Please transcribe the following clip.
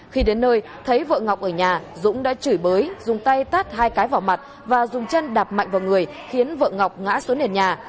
khi đến nơi thấy vợ ngọc ở nhà dũng đã chửi bới dùng tay tát hai cái vào mặt và dùng chân đạp mạnh vào người khiến vợ ngọc ngã xuống nền nhà